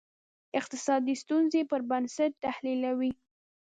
اقتصادي ستونزې پر بنسټ تحلیلوي.